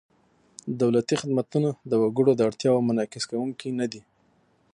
دولتي خدمتونه د وګړو د اړتیاوو منعکس کوونکي نهدي.